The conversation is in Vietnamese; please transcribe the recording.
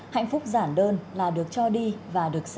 hạnh phúc giản đơn là được cho đi và được sẻ chia